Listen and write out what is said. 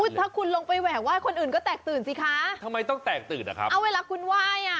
ถ้าคุณลงไปแหวกไห้คนอื่นก็แตกตื่นสิคะทำไมต้องแตกตื่นอะครับเอาเวลาคุณไหว้อ่ะ